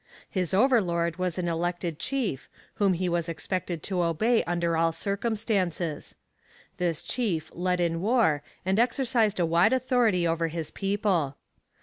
His overlord was an elected chief, whom he was expected to obey under all circumstances. This chief led in war and exercised a wide authority over his people.